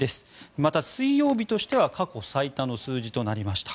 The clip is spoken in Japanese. また、水曜日としては過去最多の数字となりました。